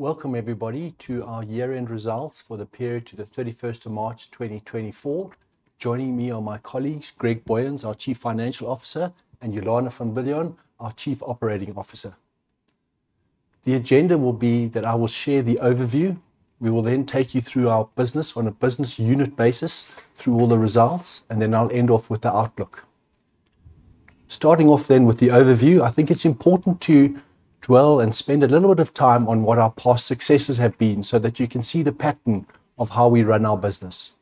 Welcome everybody to our year-end results for the period to the 31st of March 2024. Joining me are my colleagues, Greg Booyens, our Chief Financial Officer, and Ulana van Biljon, our Chief Operating Officer. The agenda will be that I will share the overview. We will then take you through our business on a business unit basis through all the results, and then I'll end off with the outlook. Starting off then with the overview, I think it's important to dwell and spend a little bit of time on what our past successes have been so that you can see the pattern of how we run our business.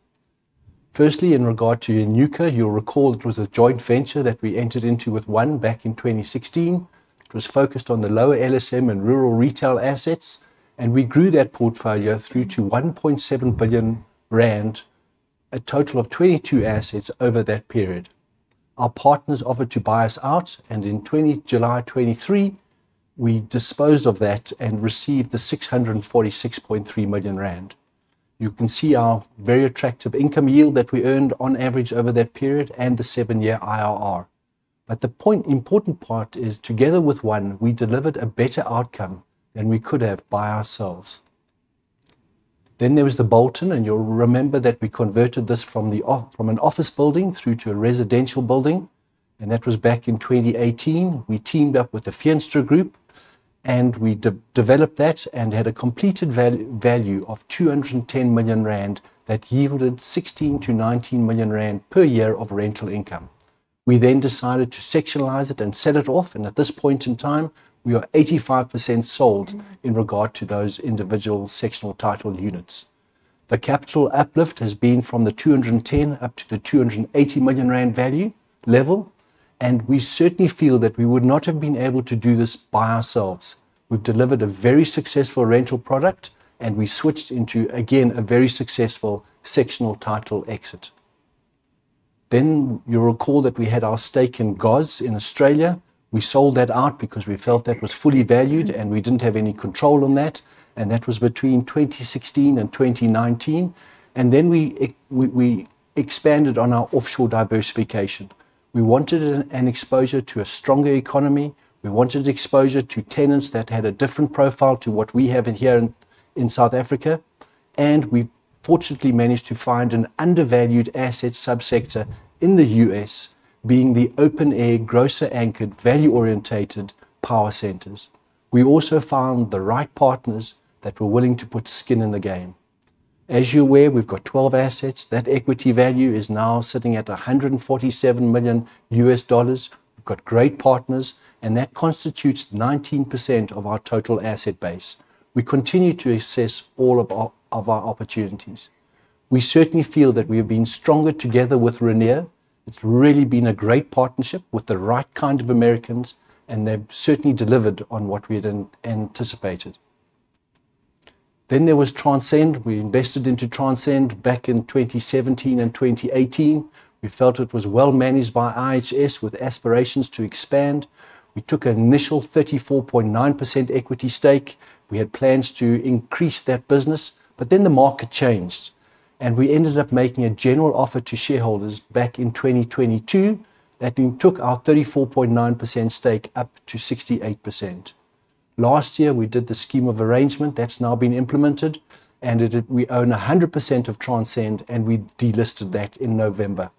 Firstly, in regard to Enyuka, you'll recall it was a joint venture that we entered into with ONE back in 2016. It was focused on the lower LSM and rural retail assets, and we grew that portfolio through to 1.7 billion rand, a total of 22 assets over that period. Our partners offered to buy us out, and in July 2023, we disposed of that and received 646.3 million rand. You can see our very attractive income yield that we earned on average over that period and the seven-year IRR. The point, important part is together with ONE, we delivered a better outcome than we could have by ourselves. There was The Bolton, and you'll remember that we converted this from an office building through to a residential building, and that was back in 2018. We teamed up with the Feenstra Group, and we re-developed that and had a completed value of 210 million rand that yielded 16 million-19 million rand per year of rental income. We decided to sectionalize it and sell it off, and at this point in time, we are 85% sold in regard to those individual sectional title units. The capital uplift has been from 210 million up to the 280 million rand value level, and we certainly feel that we would not have been able to do this by ourselves. We've delivered a very successful rental product, and we switched into, again, a very successful sectional title exit. You'll recall that we had our stake in GOZ in Australia. We sold that out because we felt that was fully valued, and we didn't have any control on that, and that was between 2016 and 2019. We expanded on our offshore diversification. We wanted an exposure to a stronger economy. We wanted exposure to tenants that had a different profile to what we have here in South Africa, and we fortunately managed to find an undervalued asset subsector in the U.S., being the open-air, grocer-anchored, value-oriented power centers. We also found the right partners that were willing to put skin in the game. As you're aware, we've got 12 assets. That equity value is now sitting at $147 million. We've got great partners, and that constitutes 19% of our total asset base. We continue to assess all of our opportunities. We certainly feel that we have been stronger together with Rainier. It's really been a great partnership with the right kind of Americans, and they've certainly delivered on what we had anticipated. There was Transcend. We invested into Transcend back in 2017 and 2018. We felt it was well managed by IHS with aspirations to expand. We took an initial 34.9% equity stake. We had plans to increase that business, but then the market changed, and we ended up making a general offer to shareholders back in 2022 that then took our 34.9% stake up to 68%. Last year, we did the scheme of arrangement. That's now been implemented, and we own 100% of Transcend, and we delisted that in November.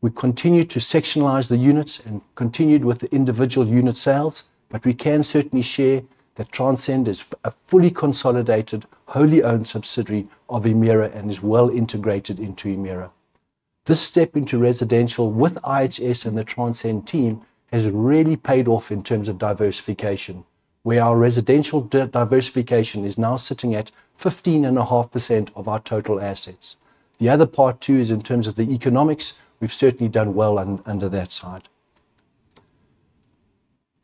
We continue to sectionalize the units and continued with the individual unit sales, but we can certainly share that Transcend is a fully consolidated, wholly owned subsidiary of Emira and is well integrated into Emira. This step into residential with IHS and the Transcend team has really paid off in terms of diversification, where our residential diversification is now sitting at 15.5% of our total assets. The other part too is in terms of the economics, we've certainly done well under that side.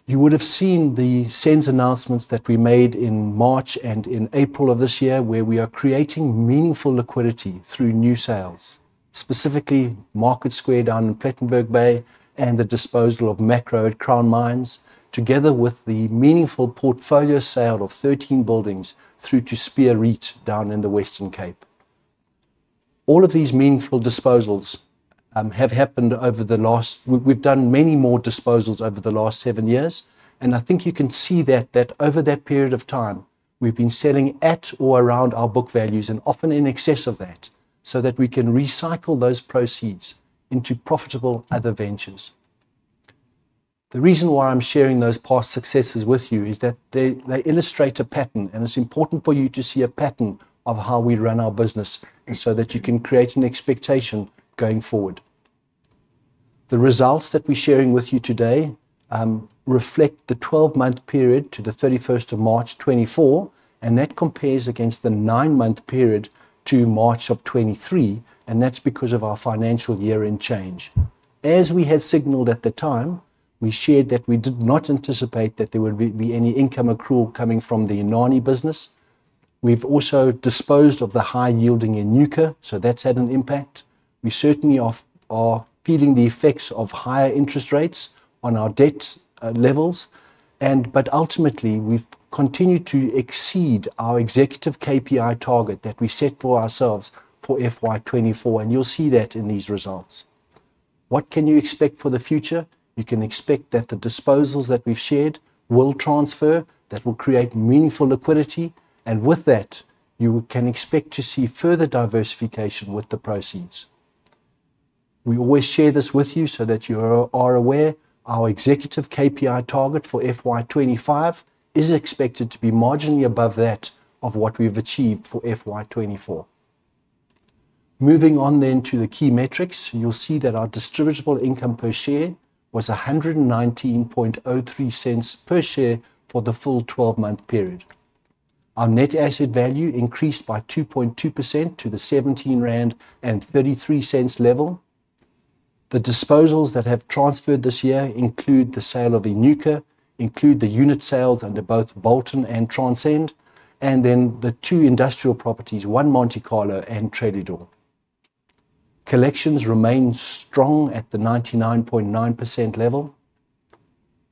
You would have seen the SENS announcements that we made in March and in April of this year, where we are creating meaningful liquidity through new sales, specifically Market Square down in Plettenberg Bay and the disposal of Makro at Crown Mines, together with the meaningful portfolio sale of 13 buildings through to Spear REIT down in the Western Cape. All of these meaningful disposals have happened over the last seven years. We've done many more disposals over the last seven years, and I think you can see that over that period of time, we've been selling at or around our book values and often in excess of that, so that we can recycle those proceeds into profitable other ventures. The reason why I'm sharing those past successes with you is that they illustrate a pattern, and it's important for you to see a pattern of how we run our business so that you can create an expectation going forward. The results that we're sharing with you today reflect the 12-month period to the 31st of March 2024, and that compares against the nine-month period to March of 2023, and that's because of our financial year-end change. As we had signaled at the time, we shared that we did not anticipate that there would be any income accrual coming from the Inani business. We've also disposed of the high-yielding Enyuka, so that's had an impact. We certainly are feeling the effects of higher interest rates on our debt levels, but ultimately, we've continued to exceed our executive KPI target that we set for ourselves for FY 2024, and you'll see that in these results. What can you expect for the future? You can expect that the disposals that we've shared will transfer. That will create meaningful liquidity, and with that, you can expect to see further diversification with the proceeds. We always share this with you so that you are aware. Our executive KPI target for FY 2025 is expected to be marginally above that of what we've achieved for FY 2024. Moving on then to the key metrics, you'll see that our distributable income per share was 1.1903 for the full 12-month period. Our net asset value increased by 2.2% to the 17.33 rand level. The disposals that have transferred this year include the sale of Enyuka, the unit sales under both The Bolton and Transcend, and then the two industrial properties, One Monte-Carlo and Trellidor. Collections remain strong at the 99.9% level.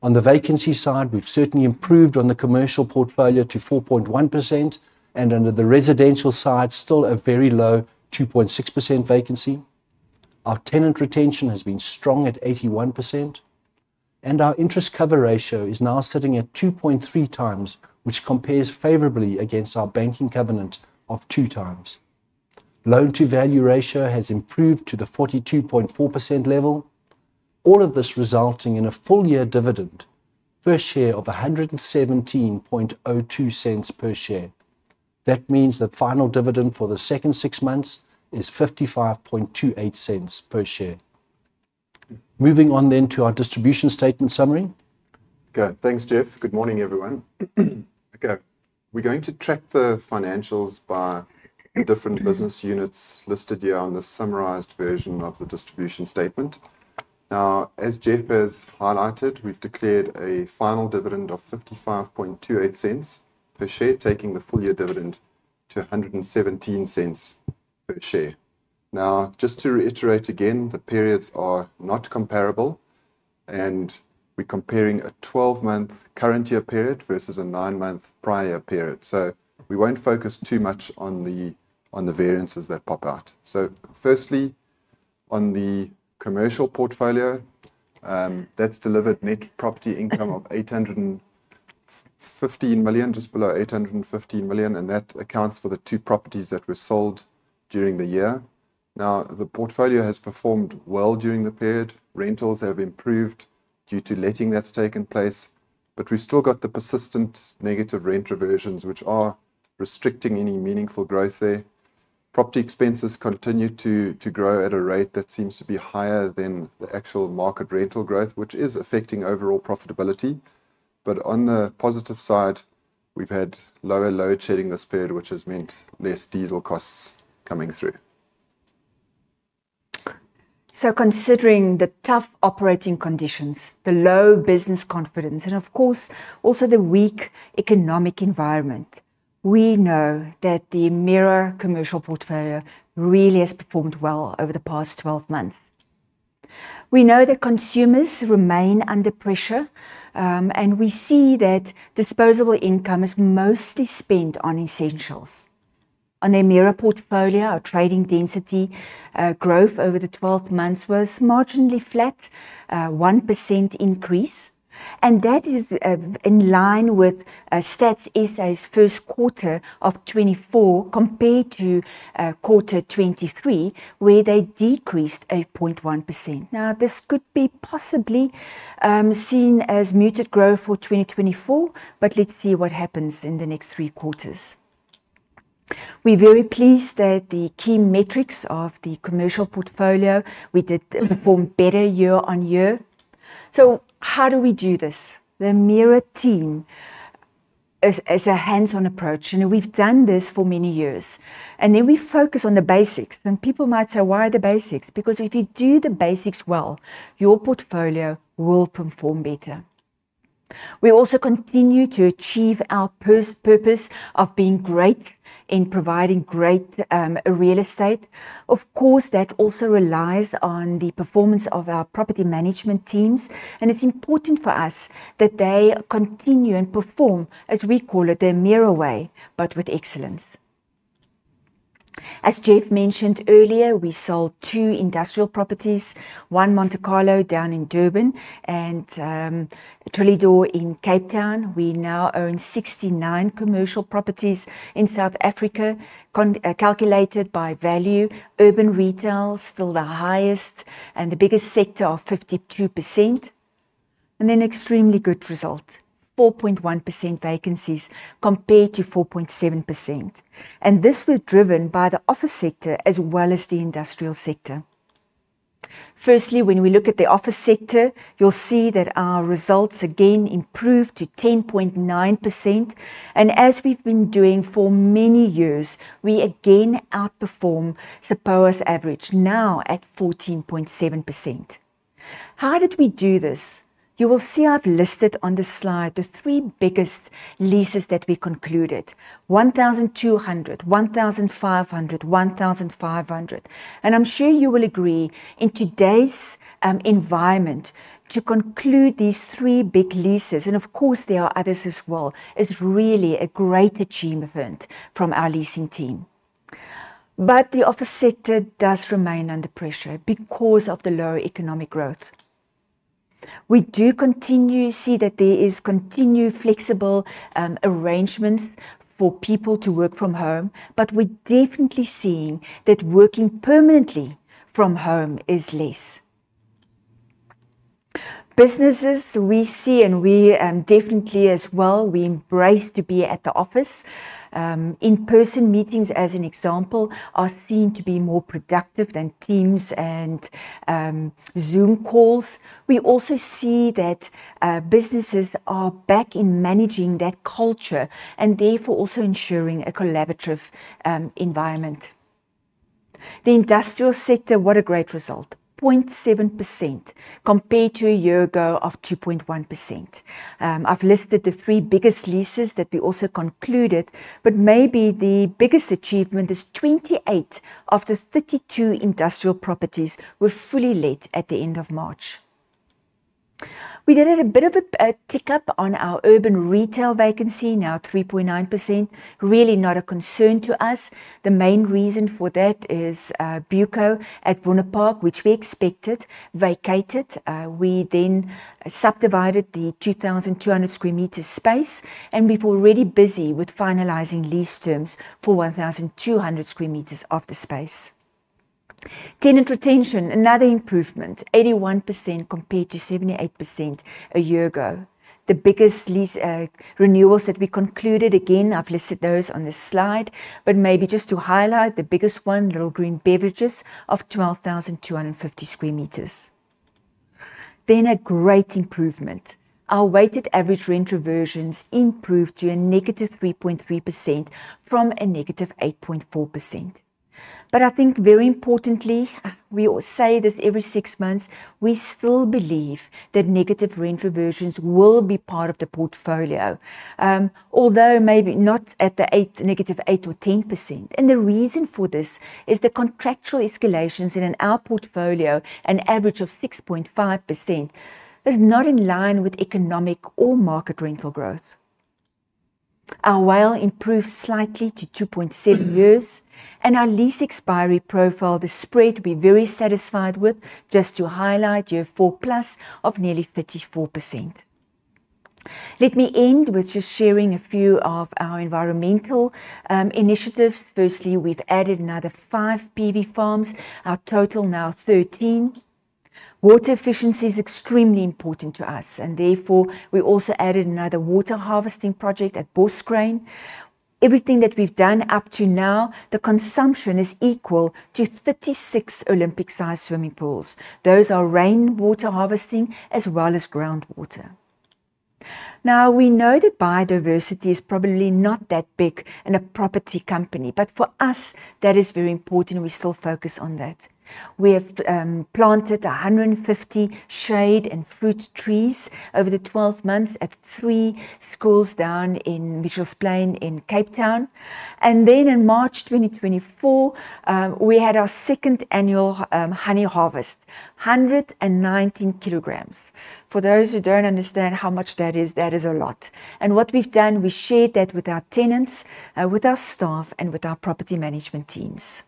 On the vacancy side, we've certainly improved on the Commercial portfolio to 4.1%, and under the residential side, still a very low 2.6% vacancy. Our tenant retention has been strong at 81%, and our interest cover ratio is now sitting at 2.3x, which compares favorably against our banking covenant of 2x. Loan-to-value ratio has improved to the 42.4% level. All of this resulting in a full year dividend per share of 1.1702 per share. That means the final dividend for the second six months is 0.5528 per share. Moving on to our distribution statement summary. Good. Thanks, Geoff. Good morning, everyone. Okay, we're going to track the financials by different business units listed here on the summarized version of the distribution statement. Now, as Geoff has highlighted, we've declared a final dividend of 0.5528 per share, taking the full year dividend to 1.17 per share. Now, just to reiterate again, the periods are not comparable, and we're comparing a 12-month current year period versus a nine-month prior period. We won't focus too much on the variances that pop out. Firstly, on the Commercial portfolio, that's delivered net property income of 815 million, just below 815 million, and that accounts for the two properties that were sold during the year. Now, the portfolio has performed well during the period. Rentals have improved due to letting that's taken place, but we've still got the persistent negative rent reversions, which are restricting any meaningful growth there. Property expenses continue to grow at a rate that seems to be higher than the actual market rental growth, which is affecting overall profitability. On the positive side, we've had lower load shedding this period, which has meant less diesel costs coming through. Considering the tough operating conditions, the low business confidence, and of course, also the weak economic environment, we know that the Emira Commercial portfolio really has performed well over the past 12 months. We know that consumers remain under pressure, and we see that disposable income is mostly spent on essentials. On the Emira portfolio, our trading density growth over the 12 months was marginally flat, 1% increase, and that is in line with Stats SA's first quarter of 2024 compared to quarter 2023, where they decreased 8.1%. Now, this could be possibly seen as muted growth for 2024, but let's see what happens in the next three quarters. We're very pleased that the key metrics of the Commercial portfolio we did perform better year-on-year. How do we do this? The Emira team is a hands-on approach, and we've done this for many years, and we focus on the basics. People might say, "Why the basics?" Because if you do the basics well, your portfolio will perform better. We also continue to achieve our purpose of being great in providing great real estate. Of course, that also relies on the performance of our property management teams, and it's important for us that they continue and perform, as we call it, The Emira Way, but with excellence. As Geoff mentioned earlier, we sold two industrial properties, One Monte-Carlo down in Durban and Trellidor in Cape Town. We now own 69 commercial properties in South Africa. Calculated by value, urban retail's still the highest and the biggest sector of 52%. Extremely good result, 4.1% vacancies compared to 4.7%, and this was driven by the Office sector as well as the Industrial sector. Firstly, when we look at the Office sector, you'll see that our results again improved to 10.9%, and as we've been doing for many years, we again outperform the SAPOA's average, now at 14.7%. How did we do this? You will see I've listed on this slide the three biggest leases that we concluded, 1,200, 1,500, 1,500, and I'm sure you will agree in today's environment to conclude these three big leases, and of course there are others as well, is really a great achievement from our leasing team. The Office sector does remain under pressure because of the lower economic growth. We do continue to see that there is continued flexible arrangements for people to work from home, but we're definitely seeing that working permanently from home is less. Businesses we see and definitely as well embrace to be at the office. In-person meetings, as an example, are seen to be more productive than Teams and Zoom calls. We also see that businesses are back in managing that culture and therefore also ensuring a collaborative environment. The Industrial sector, what a great result, 0.7% compared to a year ago of 2.1%. I've listed the three biggest leases that we also concluded, but maybe the biggest achievement is 28 of the 32 industrial properties were fully let at the end of March. We did have a bit of a tick up on our urban retail vacancy, now 3.9%, really not a concern to us. The main reason for that is Buco at Wonderpark, which we expected, vacated. We then subdivided the 2,200 sq m space, and we're already busy with finalizing lease terms for 1,200 sq m of the space. Tenant retention, another improvement, 81% compared to 78% a year ago. The biggest lease renewals that we concluded, again, I've listed those on this slide, but maybe just to highlight the biggest one, Little Green Beverages of 12,250 sq m. Then a great improvement. Our weighted average rent reversions improved to a -3.3% from a -8.4%. I think very importantly, we all say this every six months. We still believe that negative rent reversions will be part of the portfolio, although maybe not at the negative 8% or 10%. The reason for this is the contractual escalations in our portfolio, an average of 6.5%, is not in line with economic or market rental growth. Our WALE improved slightly to 2.7 years, and our lease expiry profile, the spread we're very satisfied with, just to highlight, year four+ of nearly 34%. Let me end with just sharing a few of our environmental initiatives. Firstly, we've added another five PV farms. Our total now 13. Water efficiency is extremely important to us, and therefore we also added another water harvesting project at Boskruin. Everything that we've done up to now, the consumption is equal to 36 Olympic-size swimming pools. Those are rainwater harvesting as well as groundwater. Now, we know that biodiversity is probably not that big in a property company, but for us, that is very important. We still focus on that. We have planted 150 shade and fruit trees over the 12 months at three schools down in Mitchells Plain in Cape Town. Then in March 2024, we had our second annual honey harvest, 119 kg. For those who don't understand how much that is? That is a lot. What we've done, we shared that with our tenants, with our staff, and with our property management teams.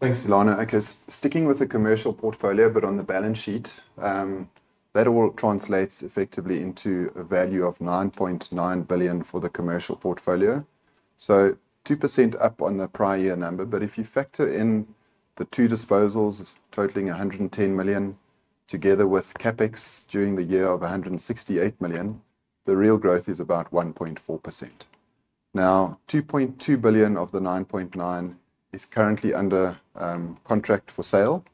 Thanks, Ulana. Okay, sticking with the Commercial portfolio, but on the balance sheet, that all translates effectively into a value of 9.9 billion for the Commercial portfolio. 2% up on the prior year number. If you factor in the two disposals totaling 110 million, together with CapEx during the year of 168 million, the real growth is about 1.4%. Now, 2.2 billion of the 9.9 billion is currently under contract for sale,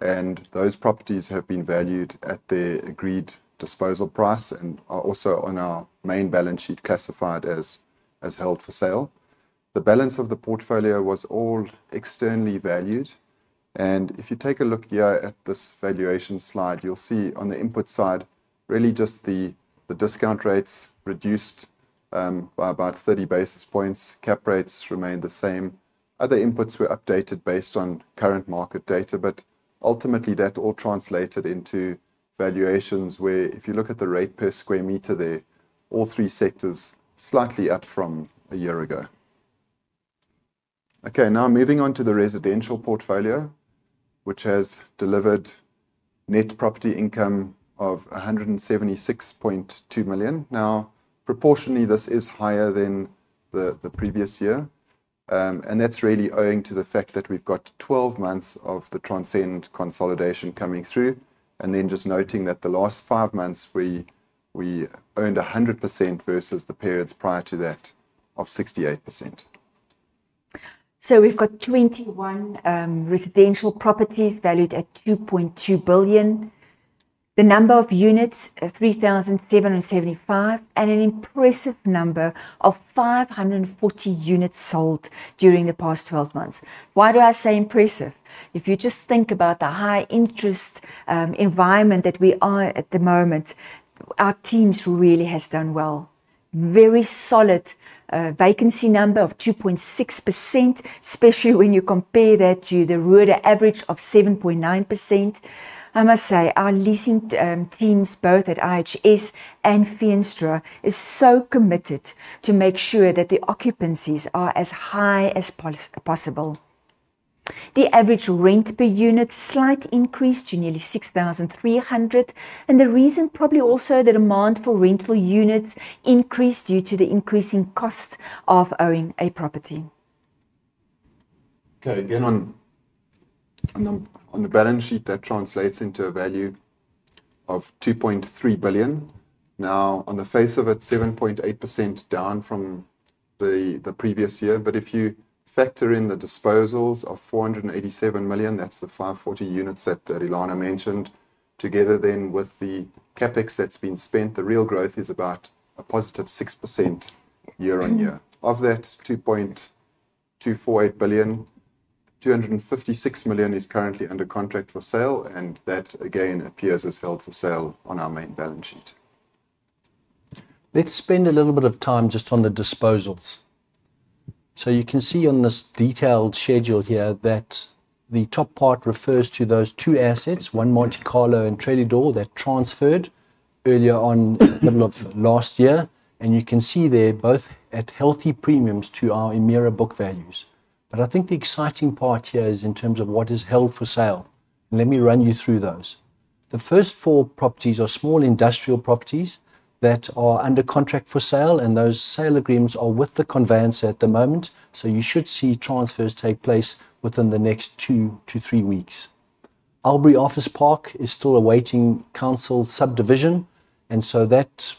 and those properties have been valued at the agreed disposal price and are also on our main balance sheet classified as held for sale. The balance of the portfolio was all externally valued. If you take a look here at this valuation slide, you'll see on the input side, really just the discount rates reduced by about 30 basis points. Cap rates remained the same. Other inputs were updated based on current market data, but ultimately, that all translated into valuations where if you look at the rate per square meter there, all three sectors slightly up from a year ago. Okay, now moving on to the Residential portfolio, which has delivered net property income of 176.2 million. Now, proportionally, this is higher than the previous year, and that's really owing to the fact that we've got 12 months of the Transcend consolidation coming through, and then just noting that the last five months we owned 100% versus the periods prior to that of 68%. We've got 21 residential properties valued at 2.2 billion. The number of units are 3,775, and an impressive number of 540 units sold during the past 12 months. Why do I say impressive? If you just think about the high interest environment that we are at the moment, our teams really has done well. Very solid vacancy number of 2.6%, especially when you compare that to the broader average of 7.9%. I must say, our leasing teams, both at IHS and Feenstra, is so committed to make sure that the occupancies are as high as possible. The average rent per unit slight increase to nearly 6,300. The reason probably also the demand for rental units increased due to the increasing cost of owning a property. Okay, again on the balance sheet, that translates into a value of 2.3 billion. Now, on the face of it, 7.8% down from the previous year. If you factor in the disposals of 487 million, that's the 540 units that Ulana mentioned, together then with the CapEx that's been spent, the real growth is about a positive 6% year-on-year. Of that 2.248 billion, 256 million is currently under contract for sale, and that again appears as held for sale on our main balance sheet. Let's spend a little bit of time just on the disposals. You can see on this detailed schedule here that the top part refers to those two assets, One Monte-Carlo and Trellidor that transferred earlier on middle of last year. You can see there both at healthy premiums to our Emira book values. I think the exciting part here is in terms of what is held for sale? Let me run you through those. The first four properties are small industrial properties that are under contract for sale, and those sale agreements are with the conveyancer at the moment. You should see transfers take place within the next two to three weeks. Albury Office Park is still awaiting council subdivision, and so that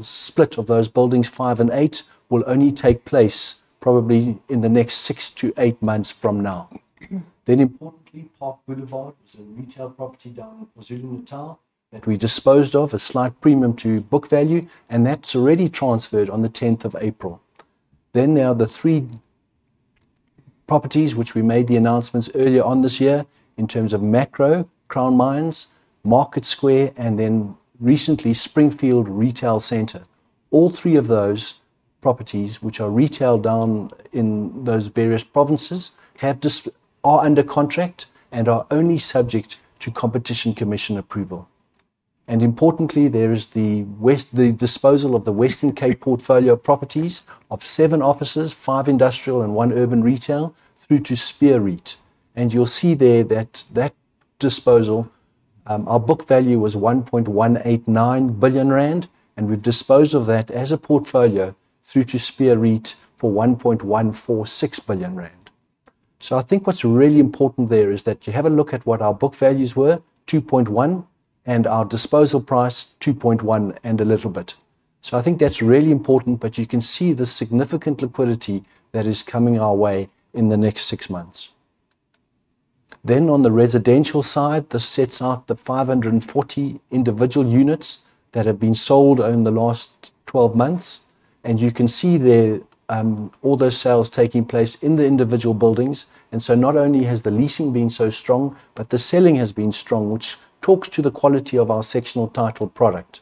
split of those buildings, five and eight, will only take place probably in the next six to eight months from now. Importantly, Park Boulevard, it's a retail property down in Pietermaritzburg that we disposed of, a slight premium to book value, and that's already transferred on the 10th of April. There are the three properties which we made the announcements earlier on this year in terms of Makro, Crown Mines, Market Square, and then recently Springfield Retail Center. All three of those properties, which are retail down in those various provinces, are under contract and are only subject to Competition Commission approval. Importantly, there is the disposal of the Western Cape portfolio properties of seven offices, five industrial, and one urban retail through to Spear REIT. You'll see there that disposal, our book value was 1.189 billion rand, and we've disposed of that as a portfolio through to Spear REIT for 1.146 billion rand. I think what's really important there is that you have a look at what our book values were, 2.1 billion, and our disposal price, 2.1 billion and a little bit. I think that's really important, but you can see the significant liquidity that is coming our way in the next six months. On the residential side, this sets out the 540 individual units that have been sold over the last 12 months. You can see there, all those sales taking place in the individual buildings. Not only has the leasing been so strong, but the selling has been strong, which talks to the quality of our sectional title product.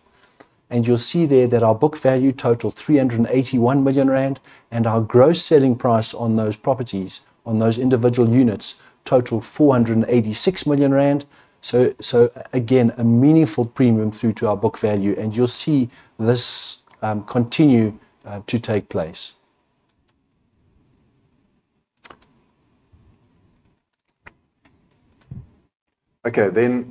You'll see there that our book value totaled 381 million rand, and our gross selling price on those properties, on those individual units totaled 486 million rand. Again, a meaningful premium through to our book value, and you'll see this continue to take place. Okay.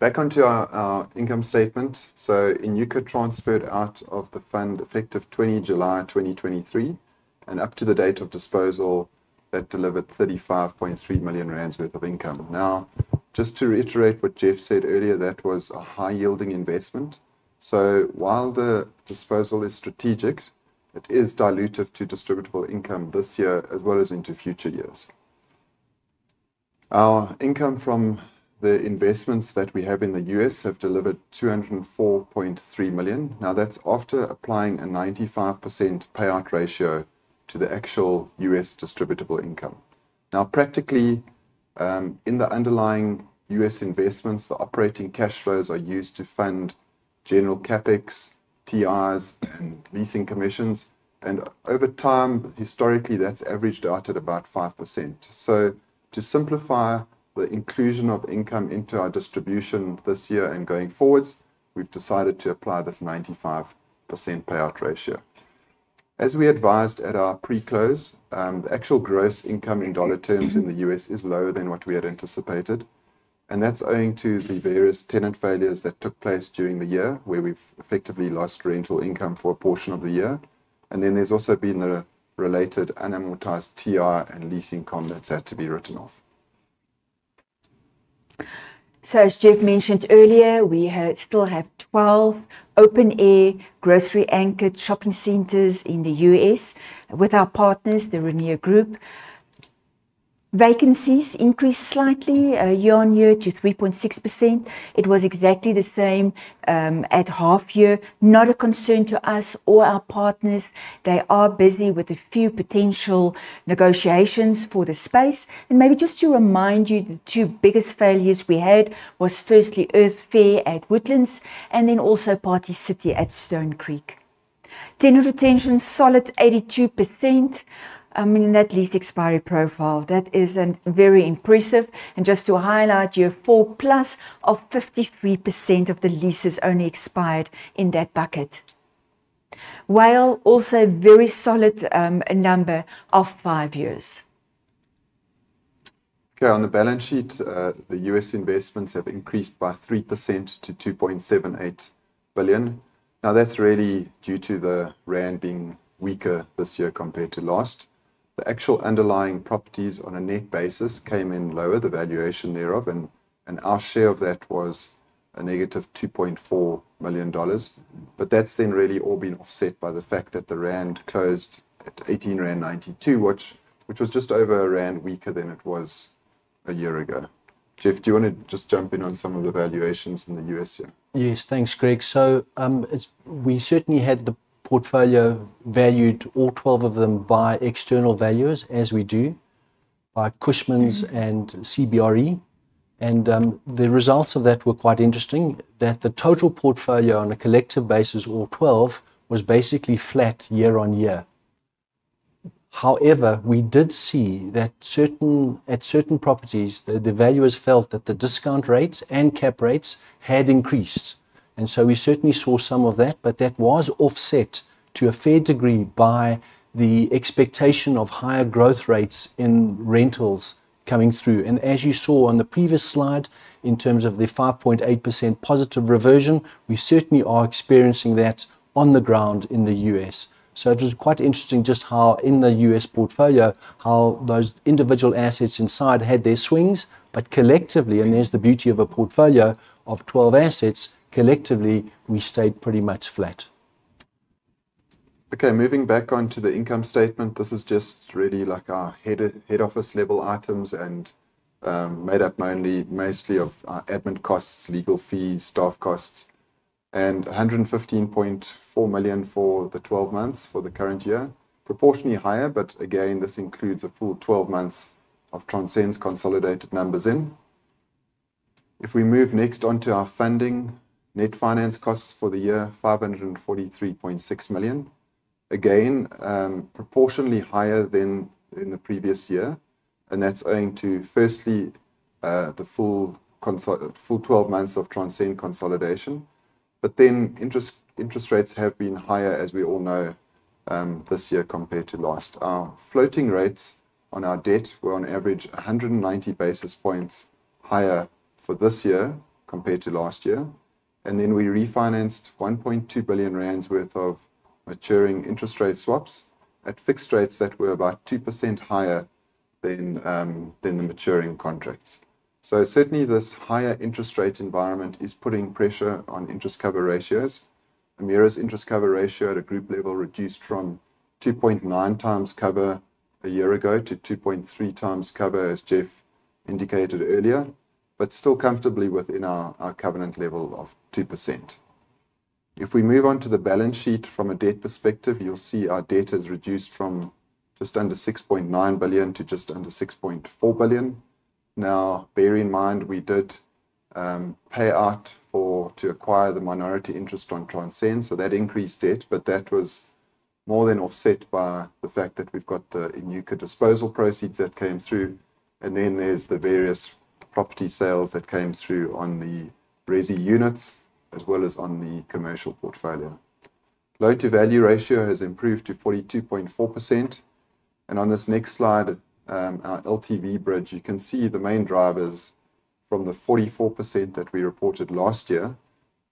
Back onto our income statement. Enyuka transferred out of the fund effective 20 July 2023, and up to the date of disposal, that delivered 35.3 million rand worth of income. Now, just to reiterate what Geoff said earlier, that was a high-yielding investment. While the disposal is strategic, it is dilutive to distributable income this year as well as into future years. Our income from the investments that we have in the U.S. have delivered $204.3 million. Now, that's after applying a 95% payout ratio to the actual U.S. distributable income. Now, practically, in the underlying U.S. investments, the operating cash flows are used to fund general CapEx, TIs, and leasing commissions. Over time, historically, that's averaged out at about 5%. To simplify the inclusion of income into our distribution this year and going forward, we've decided to apply this 95% payout ratio. As we advised at our pre-close, the actual gross income in dollar terms in the U.S. is lower than what we had anticipated, and that's owing to the various tenant failures that took place during the year, where we've effectively lost rental income for a portion of the year. There's also been the related unamortized TI and leasing income that's had to be written off. As Geoff mentioned earlier, we still have 12 open-air grocery anchored shopping centers in the U.S. with our partners, the Rainier Group. Vacancies increased slightly year-on-year to 3.6%. It was exactly the same at half year. Not a concern to us or our partners. They are busy with a few potential negotiations for the space. Maybe just to remind you, the two biggest failures we had was firstly Earth Fare at Woodlands and then also Party City at Stone Creek. Tenant retention, solid 82% in that lease expiry profile. That is very impressive. Just to highlight year four+ of 53% of the leases only expired in that bucket. While also very solid, a number of five years. Okay. On the balance sheet, the U.S. investments have increased by 3% to 2.78 billion. Now, that's really due to the rand being weaker this year compared to last. The actual underlying properties on a net basis came in lower, the valuation thereof, and our share of that was a -$2.4 million. But that's then really all been offset by the fact that the rand closed at 18.92, which was just over a rand weaker than it was a year ago. Geoff, do you wanna just jump in on some of the valuations in the U.S. here? Yes. Thanks, Greg. We certainly had the portfolio valued, all 12 of them, by external valuers, as we do, by Cushman and CBRE. The results of that were quite interesting that the total portfolio on a collective basis, all 12, was basically flat year-on-year. However, we did see that at certain properties, the valuers felt that the discount rates and cap rates had increased. We certainly saw some of that, but that was offset to a fair degree by the expectation of higher growth rates in rentals coming through. As you saw on the previous slide, in terms of the 5.8% positive reversion, we certainly are experiencing that on the ground in the U.S. It was quite interesting just how in the U.S. portfolio, how those individual assets inside had their swings, but collectively, and there's the beauty of a portfolio of 12 assets, collectively, we stayed pretty much flat. Okay. Moving back onto the income statement. This is just really like our head office level items and made up mainly, mostly of admin costs, legal fees, staff costs, and 115.4 million for the 12 months for the current year. Proportionally higher, but again, this includes a full 12 months of Transcend's consolidated numbers in. If we move next onto our funding, net finance costs for the year, 543.6 million. Again, proportionally higher than in the previous year, and that's owing to firstly, the full 12 months of Transcend consolidation. Interest rates have been higher, as we all know, this year compared to last. Our floating rates on our debt were on average 190 basis points higher for this year compared to last year. We refinanced 1.2 billion rand worth of maturing interest rate swaps at fixed rates that were about 2% higher than the maturing contracts. Certainly this higher interest rate environment is putting pressure on interest cover ratios. Emira's interest cover ratio at a group level reduced from 2.9x cover a year ago to 2.3x cover, as Geoff indicated earlier, but still comfortably within our covenant level of 2%. If we move on to the balance sheet from a debt perspective, you'll see our debt has reduced from just under 6.9 billion to just under 6.4 billion. Now, bear in mind, we did pay out for... To acquire the minority interest on Transcend, so that increased debt, but that was more than offset by the fact that we've got the Enyuka disposal proceeds that came through, and then there's the various property sales that came through on the resi units as well as on the Commercial portfolio. Loan-to-value ratio has improved to 42.4%. On this next slide, our LTV bridge, you can see the main drivers from the 44% that we reported last year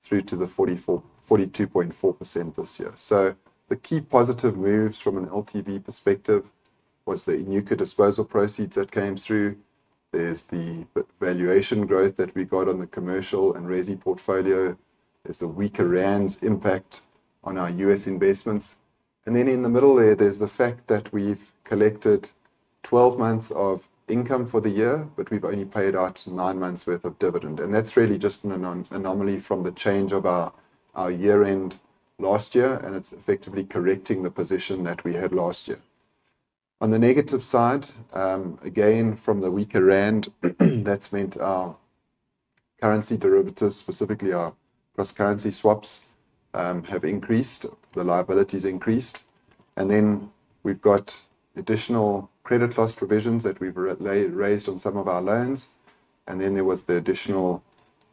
through to the 42.4% this year. The key positive moves from an LTV perspective was the Enyuka disposal proceeds that came through. There's the valuation growth that we got on the commercial and resi portfolio. There's the weaker rand's impact on our U.S. investments. In the middle there's the fact that we've collected 12 months of income for the year, but we've only paid out nine months worth of dividend. That's really just an anomaly from the change of our year-end last year, and it's effectively correcting the position that we had last year. On the negative side, again, from the weaker rand, that's meant our currency derivatives, specifically our cross-currency swaps, have increased. The liability has increased. We've got additional credit loss provisions that we've raised on some of our loans. There was the additional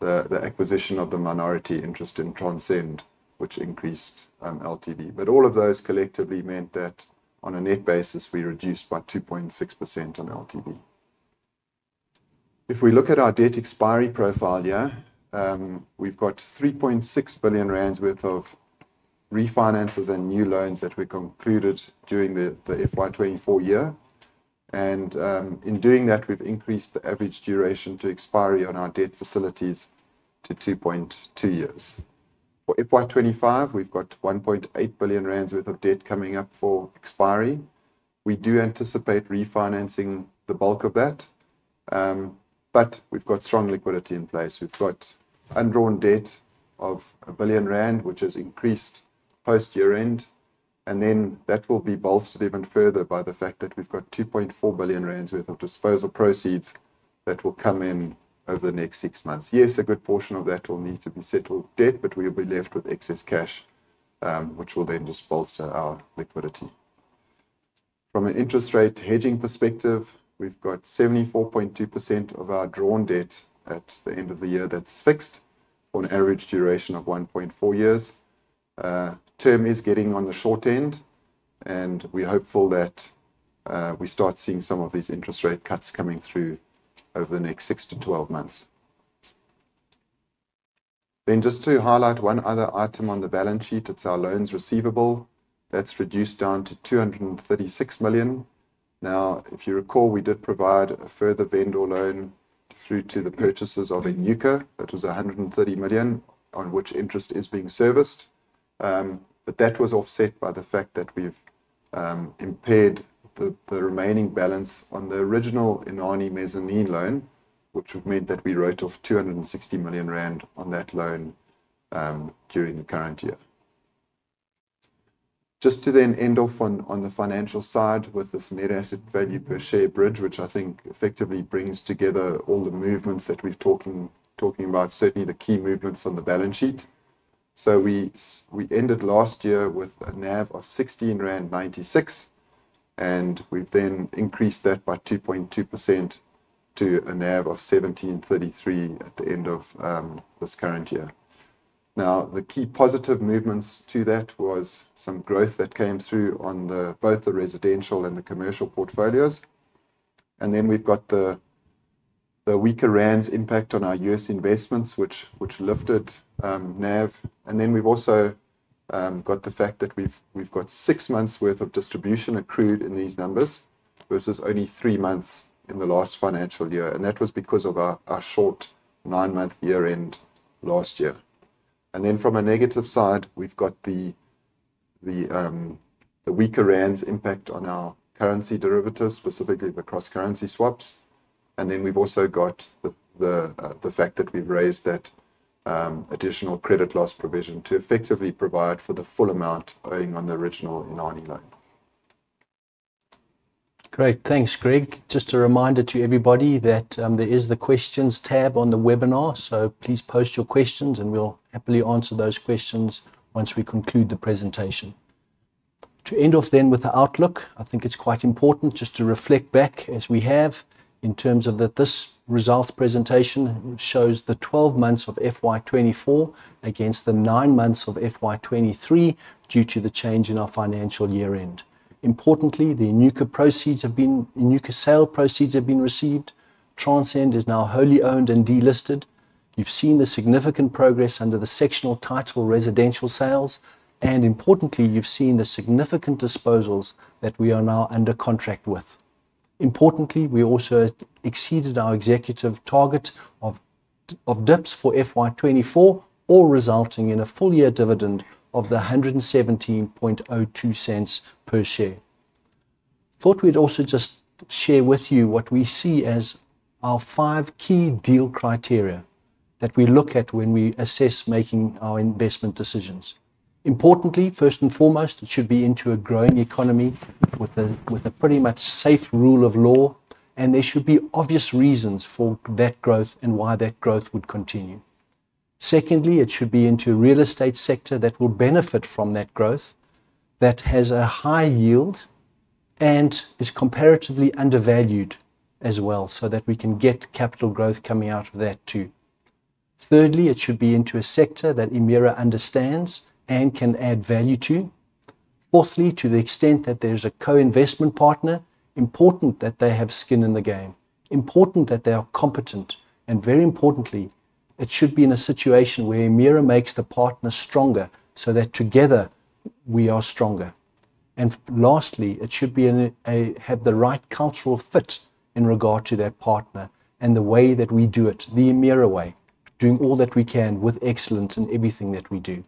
acquisition of the minority interest in Transcend, which increased LTV. All of those collectively meant that on a net basis, we reduced by 2.6% on LTV. If we look at our debt expiry profile here, we've got 3.6 billion rand worth of refinances and new loans that we concluded during the FY 2024 year. In doing that, we've increased the average duration to expiry on our debt facilities to 2.2 years. For FY 2025, we've got 1.8 billion rand worth of debt coming up for expiry. We do anticipate refinancing the bulk of that, but we've got strong liquidity in place. We've got undrawn debt of 1 billion rand, which has increased post year-end, and then that will be bolstered even further by the fact that we've got 2.4 billion rand worth of disposal proceeds that will come in over the next six months. Yes, a good portion of that will need to be settled debt, but we'll be left with excess cash, which will then just bolster our liquidity. From an interest rate hedging perspective, we've got 74.2% of our drawn debt at the end of the year that's fixed on average duration of 1.4 years. Term is getting on the short end, and we're hopeful that we start seeing some of these interest rate cuts coming through over the next six to 12 months. Just to highlight one other item on the balance sheet, it's our loans receivable. That's reduced down to 236 million. Now, if you recall, we did provide a further vendor loan through to the purchasers of Enyuka. That was 130 million on which interest is being serviced. That was offset by the fact that we've impaired the remaining balance on the original Inani mezzanine loan, which would mean that we wrote off 260 million rand on that loan during the current year. Just to then end off on the financial side with this net asset value per share bridge, which I think effectively brings together all the movements that we've been talking about, certainly the key movements on the balance sheet. We ended last year with a NAV of 16.96 rand, and we've then increased that by 2.2% to a NAV of 17.33 at the end of this current year. Now, the key positive movements to that was some growth that came through on both the Residential and the Commercial portfolios. We've got the weaker rand's impact on our U.S. investments, which lifted NAV. We've also got the fact that we've got six months' worth of distribution accrued in these numbers, versus only three months in the last financial year, and that was because of our short nine-month year-end last year. From a negative side, we've got the weaker rand's impact on our currency derivatives, specifically the cross-currency swaps. We've also got the fact that we've raised that additional credit loss provision to effectively provide for the full amount owing on the original Inani loan. Great. Thanks, Greg. Just a reminder to everybody that there is the questions tab on the webinar, so please post your questions, and we'll happily answer those questions once we conclude the presentation. To end off then with the outlook, I think it's quite important just to reflect back as we have in terms of that this results presentation shows the 12 months of FY 2024 against the nine months of FY 2023 due to the change in our financial year end. Importantly, the Enyuka sale proceeds have been received. Transcend is now wholly owned and delisted. You've seen the significant progress under the sectional title residential sales, and importantly, you've seen the significant disposals that we are now under contract with. Importantly, we also exceeded our executive target of DPS for FY 2024, all resulting in a full year dividend of 1.1702 per share. Thought we'd also just share with you what we see as our five key deal criteria that we look at when we assess making our investment decisions. Importantly, first and foremost, it should be into a growing economy with a pretty much safe rule of law, and there should be obvious reasons for that growth and why that growth would continue. Secondly, it should be into a real estate sector that will benefit from that growth, that has a high yield and is comparatively undervalued as well, so that we can get capital growth coming out of that too. Thirdly, it should be into a sector that Emira understands and can add value to. Fourthly, to the extent that there is a co-investment partner, important that they have skin in the game, important that they are competent, and very importantly, it should be in a situation where Emira makes the partner stronger so that together we are stronger. Lastly, it should have the right cultural fit in regard to their partner and the way that we do it, The Emira Way, doing all that we can with excellence in everything that we do.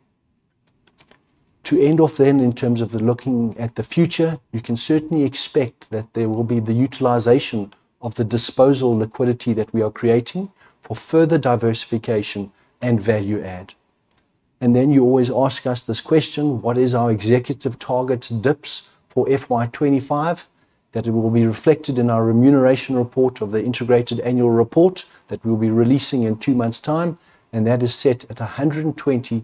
To end off then in terms of the looking at the future, you can certainly expect that there will be the utilization of the disposal liquidity that we are creating for further diversification and value add. Then you always ask us this question: What is our expected target DPS for FY 2025? That it will be reflected in our remuneration report of the integrated annual report that we'll be releasing in two months' time, and that is set at 1.2043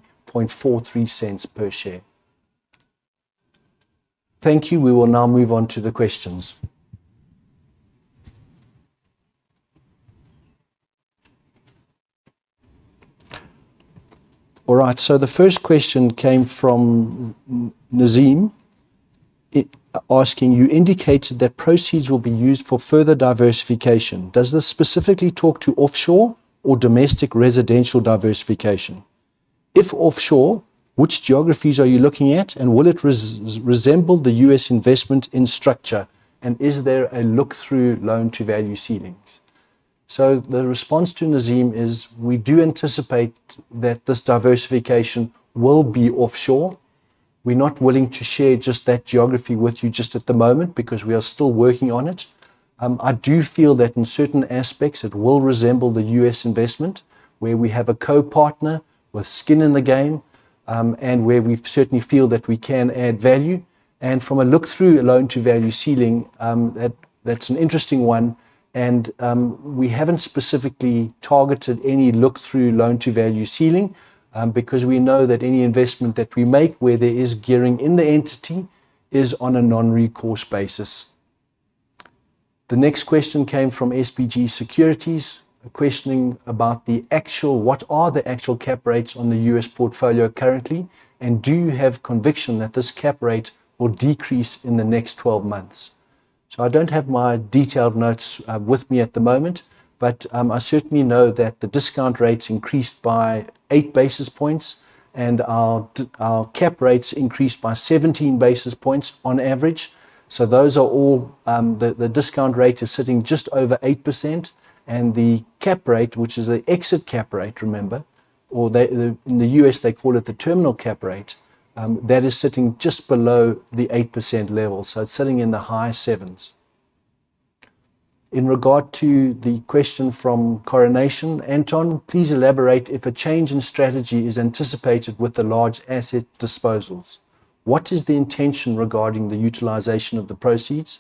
per share. Thank you. We will now move on to the questions. All right, the first question came from Nazeem asking, "You indicated that proceeds will be used for further diversification. Does this specifically talk to offshore or domestic residential diversification? If offshore, which geographies are you looking at, and will it resemble the U.S. investment in structure, and is there a look-through loan to value ceilings?" The response to Nazeem is, we do anticipate that this diversification will be offshore. We're not willing to share just the geography with you just at the moment because we are still working on it. I do feel that in certain aspects it will resemble the U.S. investment, where we have a co-partner with skin in the game, and where we certainly feel that we can add value. From a look-through loan-to-value ceiling, that's an interesting one. We haven't specifically targeted any look-through loan-to-value ceiling, because we know that any investment that we make where there is gearing in the entity is on a non-recourse basis. The next question came from SBG Securities, questioning about the actual cap rates on the U.S. portfolio currently, and do you have conviction that this cap rate will decrease in the next 12 months? I don't have my detailed notes with me at the moment, but I certainly know that the discount rates increased by 8 basis points and our cap rates increased by 17 basis points on average. Those are all. The discount rate is sitting just over 8% and the cap rate, which is the exit cap rate, remember. In the U.S., they call it the terminal cap rate. That is sitting just below the 8% level, so it's sitting in the high-7s. In regard to the question from Coronation, Anton, please elaborate if a change in strategy is anticipated with the large asset disposals? What is the intention regarding the utilization of the proceeds?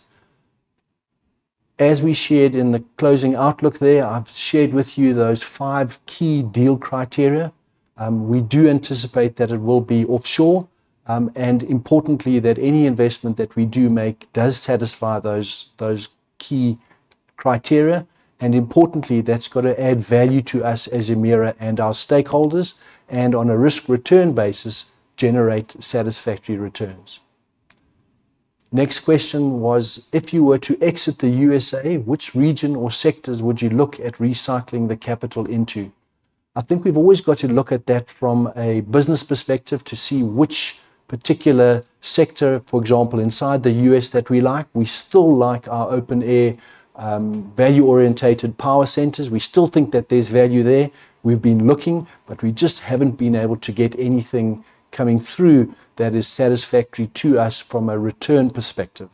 As we shared in the closing outlook there, I've shared with you those five key deal criteria. We do anticipate that it will be offshore, and importantly, that any investment that we do make does satisfy those key criteria and importantly, that's got to add value to us as Emira and our stakeholders and on a risk-return basis, generate satisfactory returns. Next question was, if you were to exit the U.S., which region or sectors would you look at recycling the capital into? I think we've always got to look at that from a business perspective to see which particular sector, for example, inside the U.S. that we like. We still like our open-air, value-oriented power centers. We still think that there's value there. We've been looking, but we just haven't been able to get anything coming through that is satisfactory to us from a return perspective.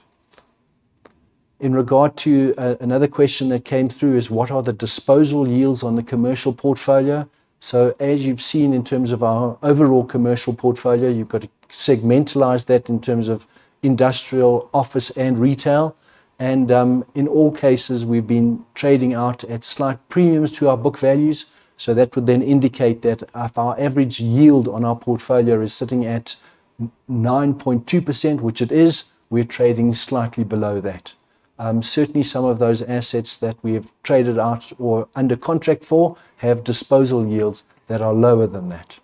In regard to another question that came through, what are the disposal yields on the Commercial portfolio? As you've seen in terms of our overall Commercial portfolio, you've got to segmentalize that in terms of Industrial, Office and Retail. In all cases, we've been trading out at slight premiums to our book values, so that would then indicate that if our average yield on our portfolio is sitting at 9.2%, which it is, we're trading slightly below that. Certainly some of those assets that we have traded out or under contract for have disposal yields that are lower than that.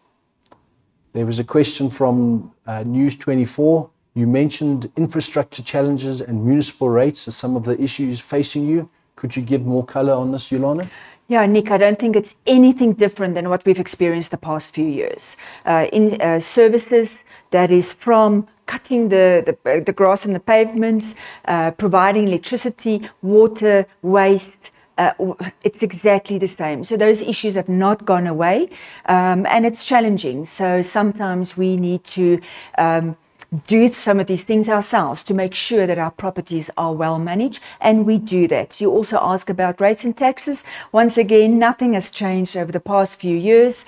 There was a question from News24. You mentioned infrastructure challenges and municipal rates as some of the issues facing you. Could you give more color on this, Ulana? Yeah, Nick, I don't think it's anything different than what we've experienced the past few years. In services, that is from cutting the grass and the pavements, providing electricity, water, waste, it's exactly the same. Those issues have not gone away, and it's challenging. Sometimes we need to do some of these things ourselves to make sure that our properties are well managed, and we do that. You also ask about rates and taxes. Once again, nothing has changed over the past few years.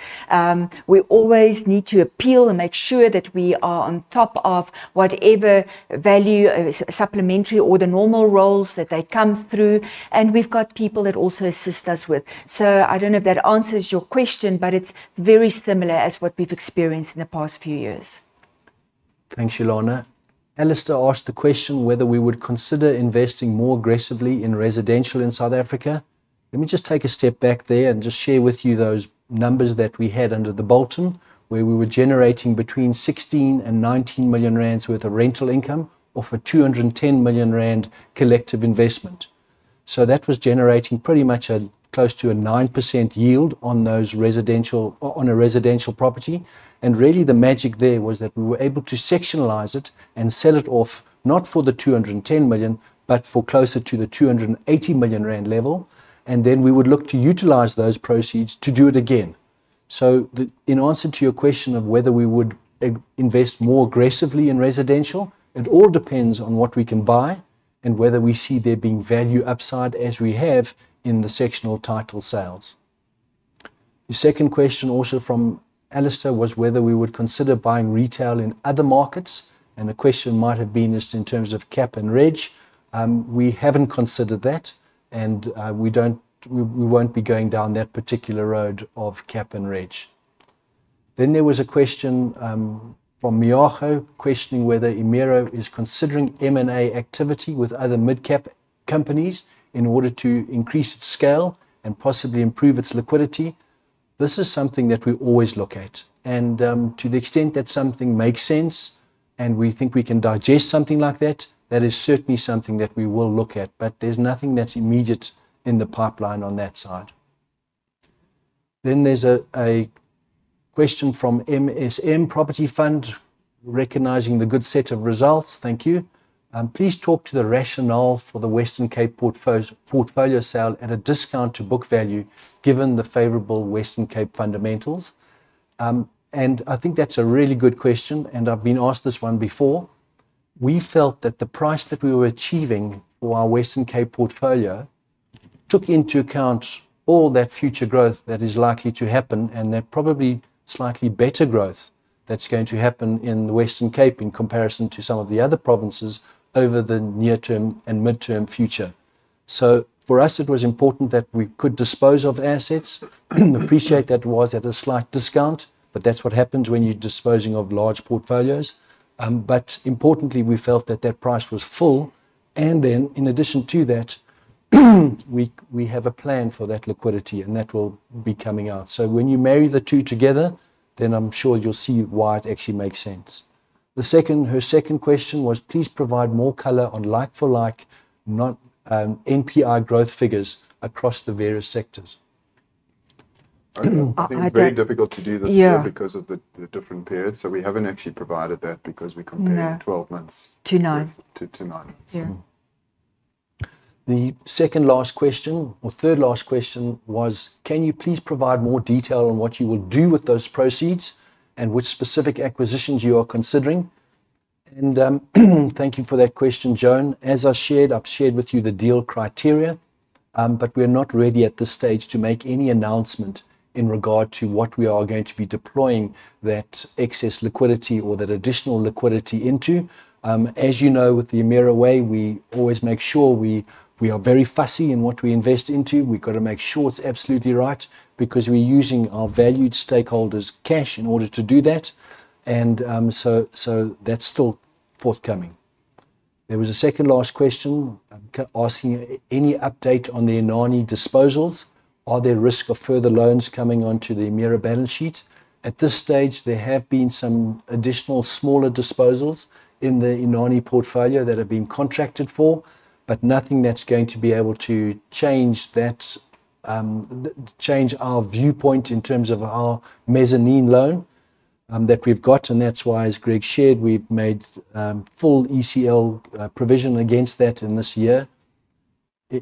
We always need to appeal and make sure that we are on top of whatever value, supplementary or the normal rolls that they come through and we've got people that also assist us with. I don't know if that answers your question, but it's very similar as what we've experienced in the past few years. Thanks, Ulana. Alistair asked the question whether we would consider investing more aggressively in residential in South Africa. Let me take a step back there and share with you those numbers that we had under The Bolton, where we were generating between 16 million and 19 million rand worth of rental income off a 210 million rand collective investment. That was generating pretty much close to a 9% yield on those residential on a residential property. Really the magic there was that we were able to sectionalize it and sell it off, not for the 210 million, but for closer to the 280 million rand level. Then we would look to utilize those proceeds to do it again. The... In answer to your question of whether we would invest more aggressively in residential? It all depends on what we can buy and whether we see there being value upside as we have in the sectional title sales. The second question also from Alistair was whether we would consider buying retail in other markets? And the question might have been just in terms of cap and reg. We haven't considered that, and we won't be going down that particular road of cap and reg. There was a question from Mvuyo questioning whether Emira is considering M&A activity with other midcap companies in order to increase its scale and possibly improve its liquidity? This is something that we always look at and, to the extent that something makes sense and we think we can digest something like that is certainly something that we will look at. There's nothing that's immediate in the pipeline on that side. There's a question from MSM Property Fund, recognizing the good set of results. Thank you. Please talk to the rationale for the Western Cape portfolio sale at a discount to book value given the favorable Western Cape fundamentals. I think that's a really good question, and I've been asked this one before. We felt that the price that we were achieving for our Western Cape portfolio took into account all that future growth that is likely to happen, and they're probably slightly better growth that's going to happen in the Western Cape in comparison to some of the other provinces over the near term and midterm future. For us, it was important that we could dispose of assets. We appreciate that it was at a slight discount, but that's what happens when you're disposing of large portfolios. Importantly, we felt that that price was full. In addition to that, we have a plan for that liquidity, and that will be coming out. When you marry the two together, then I'm sure you'll see why it actually makes sense. The second... Her second question was, "Please provide more color on like-for-like, not NPI growth figures across the various sectors. I think very difficult to do this here. Yeah... because of the different periods. We haven't actually provided that because we compare- No 12 months. To nine. To nine months. Yeah. The second last question or third last question was, "Can you please provide more detail on what you will do with those proceeds and which specific acquisitions you are considering?" Thank you for that question, Joan. As I shared, I've shared with you the deal criteria, but we're not ready at this stage to make any announcement in regard to what we are going to be deploying that excess liquidity or that additional liquidity into. As you know, with The Emira Way, we always make sure we are very fussy in what we invest into. We've gotta make sure it's absolutely right because we're using our valued stakeholders' cash in order to do that. So that's still forthcoming. There was a second last question asking any update on the Inani disposals? Is there a risk of further loans coming onto the Emira balance sheet? At this stage, there have been some additional smaller disposals in the Inani portfolio that have been contracted for, but nothing that's going to be able to change that, change our viewpoint in terms of our mezzanine loan, that we've got, and that's why, as Greg shared, we've made full ECL provision against that in this year.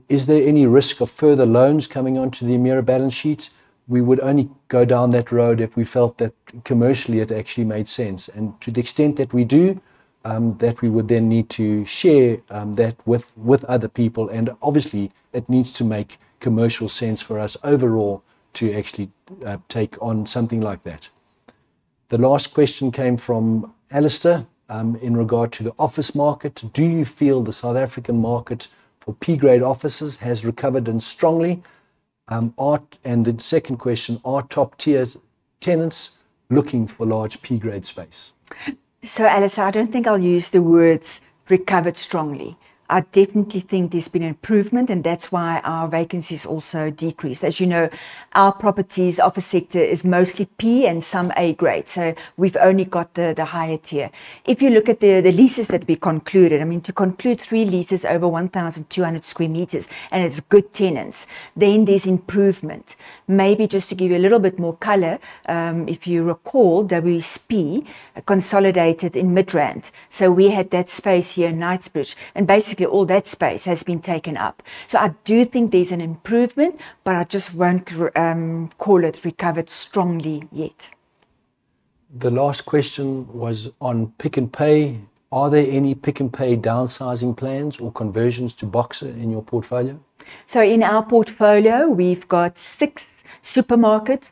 Is there any risk of further loans coming onto the Emira balance sheets? We would only go down that road if we felt that commercially it actually made sense. To the extent that we do, that we would then need to share that with other people, and obviously it needs to make commercial sense for us overall to actually take on something like that. The last question came from Alistair in regard to the office market. Do you feel the South African market for P-grade offices has recovered and strongly? The second question, are top tier tenants looking for large P-grade space? Alistair, I don't think I'll use the words recovered strongly. I definitely think there's been an improvement, and that's why our vacancy's also decreased. As you know, our properties Office sector is mostly P- and some A-grade, so we've only got the higher tier. If you look at the leases that we concluded, I mean, to conclude three leases over 1,200 sq m, and it's good tenants, then there's improvement. Maybe just to give you a little bit more color, if you recall, WSP consolidated in Midrand. We had that space here in Knightsbridge, and basically all that space has been taken up. I do think there's an improvement, but I just won't call it recovered strongly yet. The last question was on Pick n Pay. Are there any Pick n Pay downsizing plans or conversions to Boxer in your portfolio? In our portfolio, we've got six supermarkets,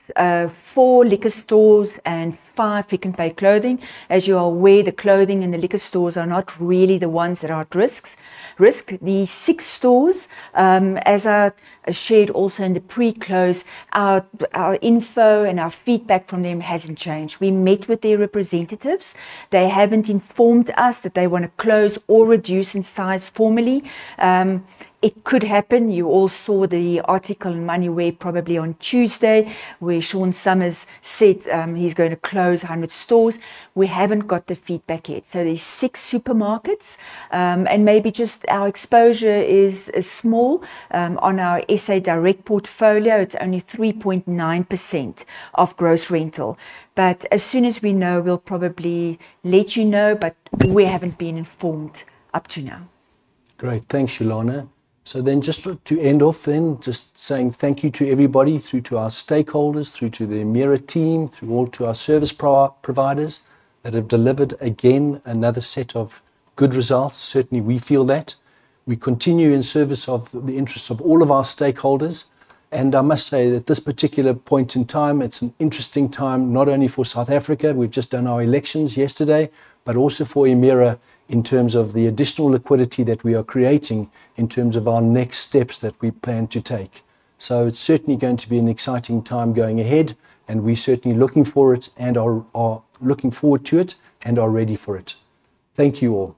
four liquor stores and five Pick n Pay Clothing. As you are aware, the clothing and the liquor stores are not really the ones that are at risk. The six stores, as I shared also in the pre-close, our info and our feedback from them hasn't changed. We met with their representatives. They haven't informed us that they wanna close or reduce in size formally. It could happen. You all saw the article in Moneyweb probably on Tuesday, where Sean Summers said, he's gonna close 100 stores. We haven't got the feedback yet. There's six supermarkets. Maybe just our exposure is small. On our SA Direct portfolio, it's only 3.9% of gross rental. As soon as we know, we'll probably let you know. We haven't been informed up to now. Great. Thanks, Ulana. Just to end off then, just saying thank you to everybody through to our stakeholders, through to the Emira team, through all to our service providers that have delivered again another set of good results. Certainly, we feel that. We continue in service of the interests of all of our stakeholders. I must say that this particular point in time, it's an interesting time, not only for South Africa, we've just done our elections yesterday, but also for Emira in terms of the additional liquidity that we are creating in terms of our next steps that we plan to take. It's certainly going to be an exciting time going ahead, and we're certainly looking for it, and are looking forward to it and are ready for it. Thank you all.